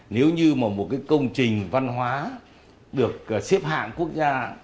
nếu như mà một cái công trình văn hóa được xếp hạng quốc gia